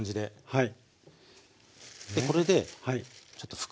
はい。